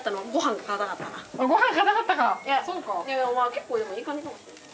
結構でもいい感じかもしれない。